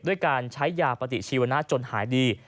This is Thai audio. ด้วยการใช้ยาปฏิชีวนะจนหายดี